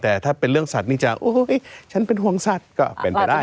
แต่ถ้าเป็นเรื่องสัตว์นี่จะฉันเป็นห่วงสัตว์ก็เป็นไปได้